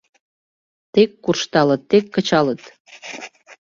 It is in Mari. Тек куржталыт, тек кычалыт!